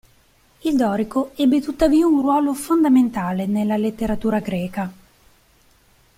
Il dorico ebbe tuttavia un ruolo fondamentale nella letteratura greca.